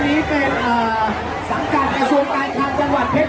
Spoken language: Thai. ขอบคุณมากนะคะแล้วก็แถวนี้ยังมีชาติของ